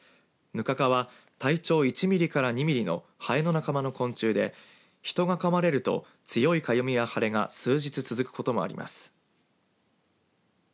ヌカカは体長１ミリから２ミリのハエの仲間の昆虫で人がかまれると強いかゆみや腫れが数日続くこともあります。